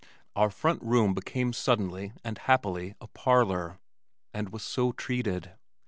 Our front room became suddenly and happily a parlor, and was so treated.